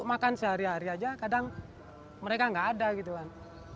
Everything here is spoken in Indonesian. makan sehari hari aja kadang mereka nggak ada gitu kan